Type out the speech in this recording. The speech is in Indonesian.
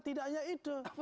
tidak hanya ide